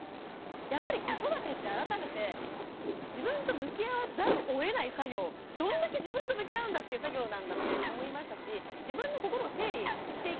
やっぱり子育てって改めて自分と向き合わざるをえない作業どんだけ自分と向き合うんだっていう作業なんだって思いましたし自分の心を整理していきたいなって